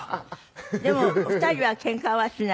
でもお二人はケンカはしない？